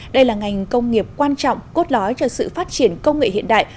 đây là ngành công nghiệp quan trọng cốt lói cho sự phát triển công nghệ hiện đại